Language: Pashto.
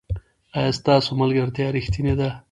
ایا ستاسو ملګرتیا ریښتینې ده؟